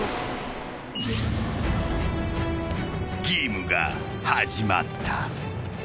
［ゲームが始まった］